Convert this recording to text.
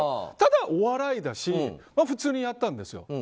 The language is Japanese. ただ、お笑いだし普通にやったんですよ。